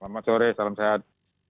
selamat sore salam sehat